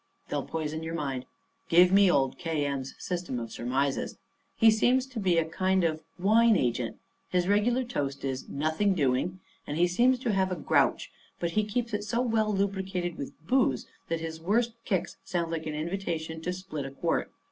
They'll poison your mind. Give me old K. M.'s system of surmises. He seems to be a kind of a wine agent. His regular toast is 'nothing doing,' and he seems to have a grouch, but he keeps it so well lubricated with booze that his worst kicks sound like an invitation to split a quart.